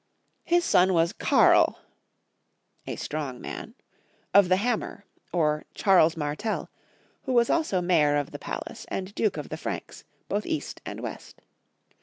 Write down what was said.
His son was Karl* of the Hammer, or Charles Martel, who was also Mayor of the Palace and Duke of the Franks, both East and West.